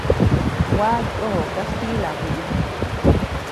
Gua yoo kastila muu.